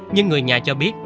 nhưng người nhà cho biết